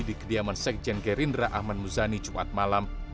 di kediaman sekjen gerindra ahmad muzani jumat malam